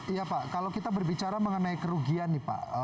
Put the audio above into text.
iya pak kalau kita berbicara mengenai kerugian nih pak